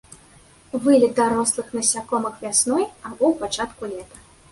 Вылет дарослых насякомых вясной або ў пачатку лета.